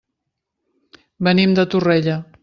Venim de Torrella.